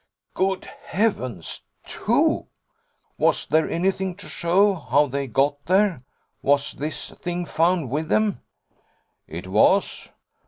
'Good Heavens! Two? Was there anything to show how they got there? Was this thing found with them?' 'It was.